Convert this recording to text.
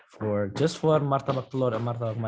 hanya untuk martabak telur dan martabak manis